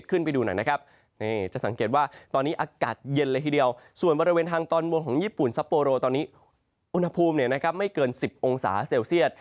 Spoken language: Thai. อุณหภูมิไม่เกิน๑๕องศาเซลเซียส